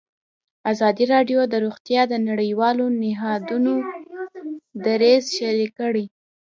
ازادي راډیو د روغتیا د نړیوالو نهادونو دریځ شریک کړی.